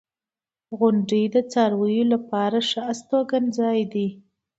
• غونډۍ د څارویو لپاره ښه استوګنځای دی.